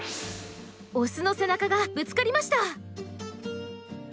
オスの背中がぶつかりました。